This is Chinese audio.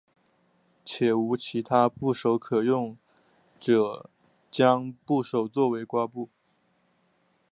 且无其他部首可用者将部首归为瓜部。